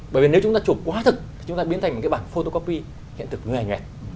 bởi vì nếu chúng ta chụp quá thực chúng ta biến thành một cái bảng photocopy hiện thực nguề nhuệt